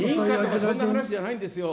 そんな話じゃないですよ。